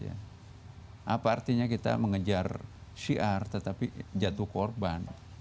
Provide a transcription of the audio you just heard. apa artinya kita mengejar syiar tetapi jatuh korban